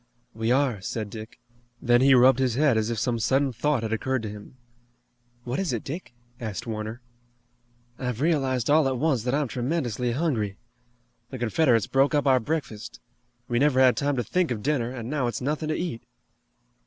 "We are," said Dick. Then he rubbed his head as if some sudden thought had occurred to him. "What is it, Dick?" asked Warner. "I've realized all at once that I'm tremendously hungry. The Confederates broke up our breakfast. We never had time to think of dinner, and now its nothing to eat."